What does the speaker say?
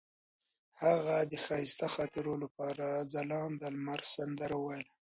هغې د ښایسته خاطرو لپاره د ځلانده لمر سندره ویله.